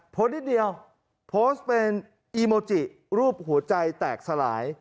นิดเดียวโพสต์เป็นอีโมจิรูปหัวใจแตกสลาย